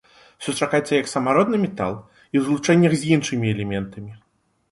Сустракаецца і як самародны метал, і ў злучэннях з іншымі элементамі.